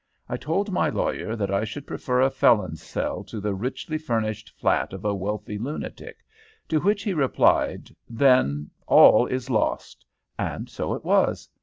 I told my lawyer that I should prefer a felon's cell to the richly furnished flat of a wealthy lunatic, to which he replied, 'Then all is lost!' And so it was.